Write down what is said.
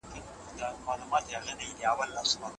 د خیر محمد چاودې لاسونه د ژوند د سختیو کیسه کوي.